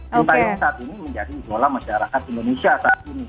cintayong saat ini menjadi bola masyarakat indonesia saat ini